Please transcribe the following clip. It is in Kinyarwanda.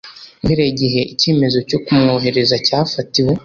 Uhereye igihe icyemezo cyo kumwohereza cyafatiwe